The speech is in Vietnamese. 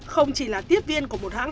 không chỉ là tiếp viên của một hãng